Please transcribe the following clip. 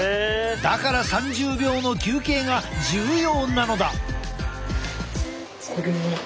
だから３０秒の休憩が重要なのだ。